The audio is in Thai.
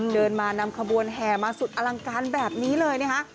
เดินมานำขบวนแห่มาสุดอลังการแบบนี้เลยนะคะ